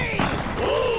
おう！